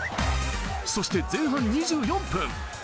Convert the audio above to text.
そして前半２４分。